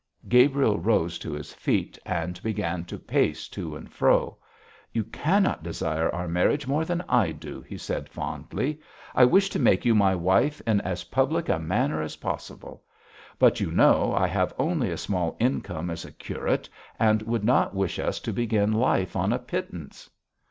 Gabriel rose to his feet and began to pace to and fro. 'You cannot desire our marriage more than I do,' he said fondly. 'I wish to make you my wife in as public a manner as possible. But you know I have only a small income as a curate, and you would not wish us to begin life on a pittance.'